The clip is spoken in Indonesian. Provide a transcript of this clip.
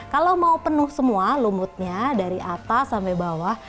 kalau mau penuh semua lumutnya dari atas sampai bawah